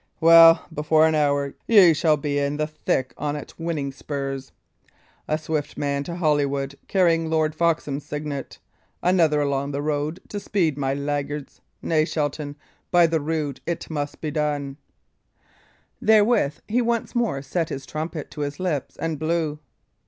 "Well, before an hour, ye shall be in the thick on't, winning spurs. A swift man to Holywood, carrying Lord Foxham's signet; another along the road to speed my laggards! Nay, Shelton, by the rood, it may be done!" Therewith he once more set his trumpet to his lips and blew.